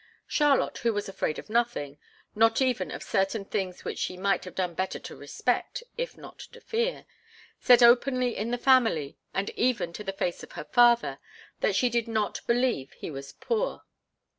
Charlotte, who was afraid of nothing, not even of certain things which she might have done better to respect, if not to fear, said openly in the family, and even to the face of her father, that she did not believe he was poor.